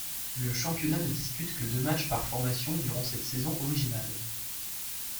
Le championnat ne dispute que deux matchs par formations durant cette saison originale.